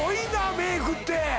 メイクって。